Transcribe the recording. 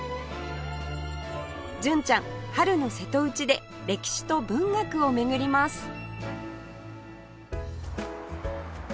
純ちゃん春の瀬戸内で歴史と文学を巡ります